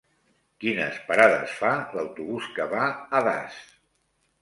Quines parades fa l'autobús que va a Das?